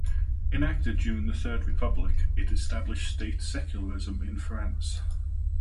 Enacted during the Third Republic, it established state secularism in France.